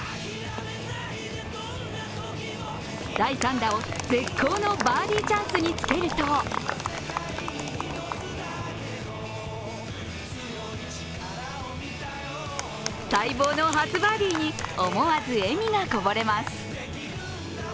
第３打を絶好のバーディーチャンスにつけると待望の初バーディーに思わず笑みがこぼれます。